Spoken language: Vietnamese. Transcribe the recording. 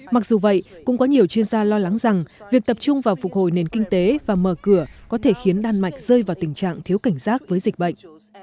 mặc dù vậy cũng có nhiều chuyên gia lo lắng rằng việc tập trung vào phục hồi nền kinh tế và mở cửa có thể khiến đan mạch rơi vào tình trạng thiếu cảnh giác với dịch bệnh